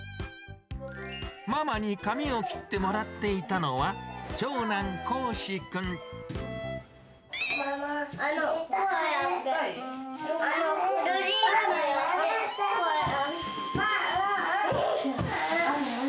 ママに髪を切ってもらっていたのは、長男、ママ、痛い。